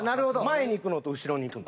前にいくのと後ろにいくの。